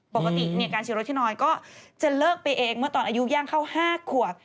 ปกติการฉีดรถที่นอนก็จะเลิกไปเองเมื่อตอนอายุย่างเข้า๕ขวบ